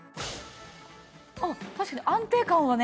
あっ確かに安定感はね。